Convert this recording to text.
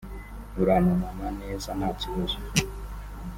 aranunama neza nta kibazo